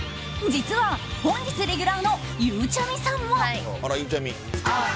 実は本日レギュラーのゆうちゃみさんも。